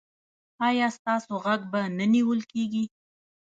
ایا ستاسو غږ به نه نیول کیږي؟